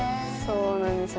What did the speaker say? そうなんですよ。